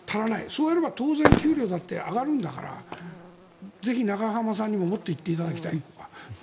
そうやれば当然、給料だって上がるんだからぜひ永濱さんにももっと言っていただきたい。